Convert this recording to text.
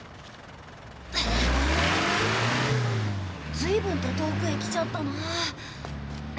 ずいぶんと遠くへ来ちゃったな。